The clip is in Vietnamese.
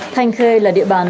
thanh khê là địa bàn